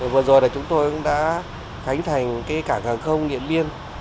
vừa rồi chúng tôi đã khánh thành cảng hàng không điện biên